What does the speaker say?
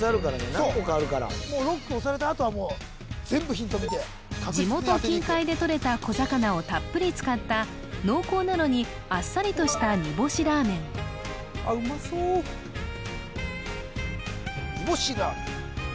何個かあるからもうロック押されたあとはもう全部ヒント見て地元近海でとれた小魚をたっぷり使った濃厚なのにアッサリとした・あっうまそう煮干しラーメン